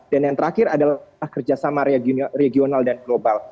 dan yang terakhir adalah kerjasama regional dan global